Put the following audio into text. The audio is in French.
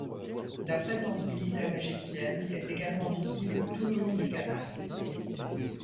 La présence militaire égyptienne est également visible tout le long du canal.